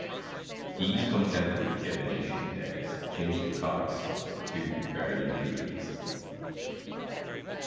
These contemporary divination decks change the cards to varying degrees.